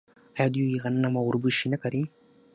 آیا دوی غنم او وربشې نه کري؟